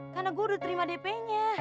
karena gue udah terima dp nya